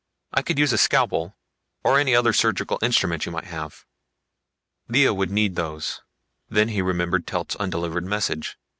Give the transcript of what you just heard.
"I could use a scalpel or any other surgical instrument you might have." Lea would need those. Then he remembered Telt's undelivered message.